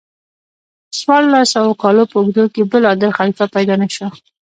څوارلس سوو کالو په اوږدو کې بل عادل خلیفه پیدا نشو.